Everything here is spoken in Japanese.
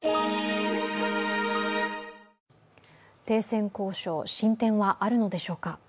停戦交渉、進展はあるのでしょうか。